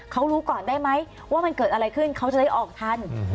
เขารู้ก่อนได้ไหมว่ามันเกิดอะไรขึ้นเขาจะได้ออกทัน